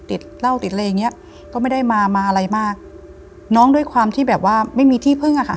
ติดเหล้าติดอะไรอย่างเงี้ยก็ไม่ได้มามาอะไรมากน้องด้วยความที่แบบว่าไม่มีที่พึ่งอะค่ะ